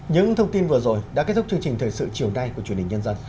những thông tin vừa rồi đã kết thúc chương trình thời sự chiều nay của chuyên đình nhân dân